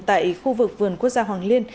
tại khu vực vườn quốc gia hoàng liên